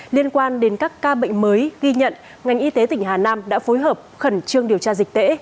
liên quan đến các ca bệnh mới ghi nhận ngành y tế tỉnh hà nam đã phối hợp khẩn trương điều tra dịch tễ